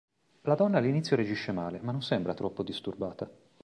La donna all'inizio reagisce male, ma non sembra troppo disturbata.